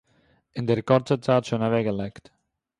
אין דער קורצער צייט שוין אוועקגעלייגט